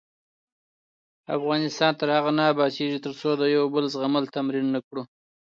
افغانستان تر هغو نه ابادیږي، ترڅو د یو بل زغمل تمرین نکړو.